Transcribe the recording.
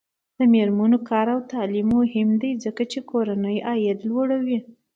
د میرمنو کار او تعلیم مهم دی ځکه چې کورنۍ عاید لوړوي.